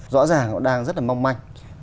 rõ ràng nó đang rất là mong manh